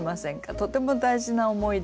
とても大事な思い出。